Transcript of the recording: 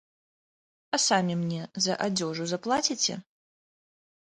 А самі мне за адзежу заплаціце?